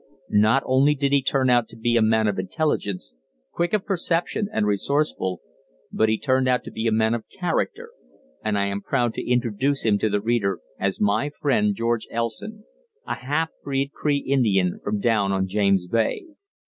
Not only did he turn out to be a man of intelligence, quick of perception and resourceful, but he turned out to be a man of character, and I am proud to introduce him to the reader as my friend George Elson, a half breed Cree Indian from down on James Bay.